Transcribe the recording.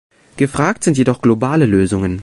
Gefragt sind jedoch globale Lösungen.